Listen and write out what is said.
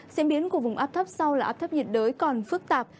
diễn biến của vùng áp thấp sau là áp thấp nhiệt đới còn phức tạp